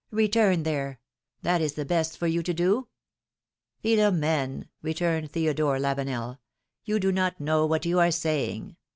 Return there : that is the best thing for you to do." "Philom^ne," returned Theodore Lavenel, "you do not know what you are saying.